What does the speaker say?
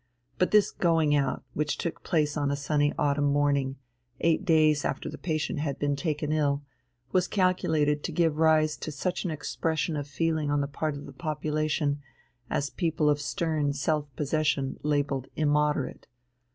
But this going out, which took place on a sunny autumn morning, eight days after the patient had been taken ill, was calculated to give rise to such an expression of feeling on the part of the population as people of stern self possession labelled immoderate.